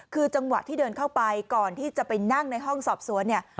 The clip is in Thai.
คือจังหวะที่เดินเข้าไปก่อนที่จะไปนั่งในห้องสอบสวนเนี่ย